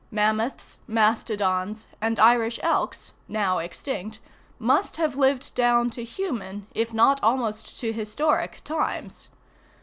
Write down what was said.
Mammoths, mastodons, and Irish elks, now extinct, must have lived down to human, if not almost to historic times.